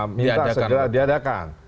minta segera diadakan